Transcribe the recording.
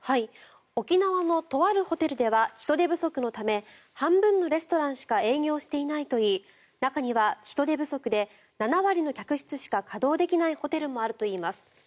沖縄のとあるホテルでは人手不足のため半分のレストランしか営業していないといい中には人手不足で７割の客室しか稼働できないホテルもあるといいます。